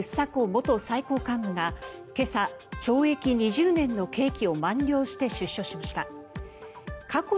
元最高幹部が今朝、懲役２０年の刑期を満了して出所しました。